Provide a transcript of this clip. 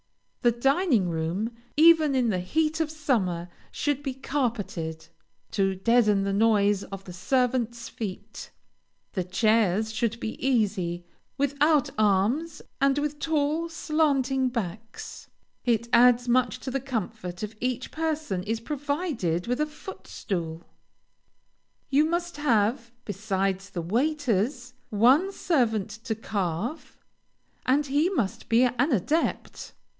The dining room, even in the heat of summer, should be carpeted, to deaden the noise of the servants' feet. The chairs should be easy, without arms, and with tall, slanting backs. It adds much to the comfort, if each person is provided with a foot stool. You must have, besides the waiters, one servant to carve, and he must be an adept.